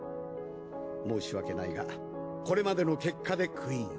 申し訳ないがこれまでの結果でクイーンを。